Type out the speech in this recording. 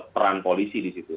peran polisi di situ